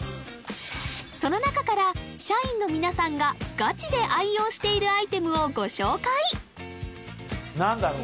その中から社員の皆さんがガチで愛用しているアイテムをご紹介何だろう？